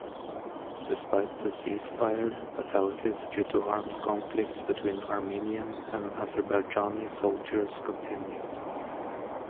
Despite the ceasefire, fatalities due to armed conflicts between Armenian and Azerbaijani soldiers continued.